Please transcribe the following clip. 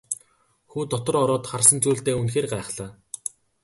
Хүү дотор ороод харсан зүйлдээ үнэхээр гайхлаа.